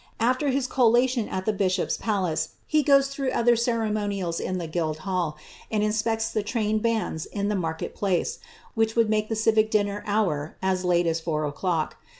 After his collation at the bi^hop*H palace, he goes through other ceremonials in the Guildhall, and iuHprctfl the trained bands in the market place, which would make the ri\ic dinner hour as late as four o'clock.